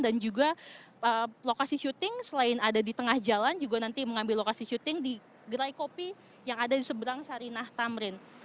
dan juga lokasi syuting selain ada di tengah jalan juga nanti mengambil lokasi syuting di gerai kopi yang ada di seberang sarinah tamrin